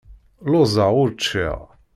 Lluẓeɣ ur ččiɣ.